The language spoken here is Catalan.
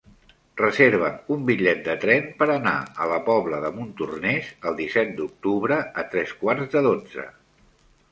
Reserva'm un bitllet de tren per anar a la Pobla de Montornès el disset d'octubre a tres quarts de dotze.